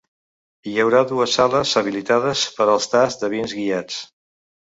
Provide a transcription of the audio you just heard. Hi haurà dues sales habilitades per als tasts de vins guiats.